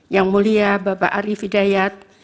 yang mulia bapak ari fidayat